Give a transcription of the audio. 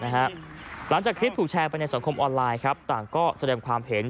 หลังจากคลิปถูกแชร์ไปในสังคมออนไลน์ต่างก็แสดงความเห็น